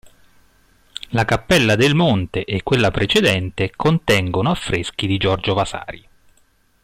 La cappella del Monte e quella precedente contengono affreschi di Giorgio Vasari.